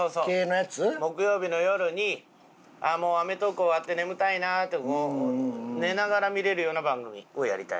木曜日の夜にもう『アメトーーク』終わって眠たいなってこう寝ながら見れるような番組をやりたい。